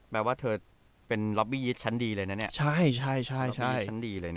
แปลว่าเธอเป็นล็อบบี้ยิทช์ชั้นดีเลยนะเนี่ย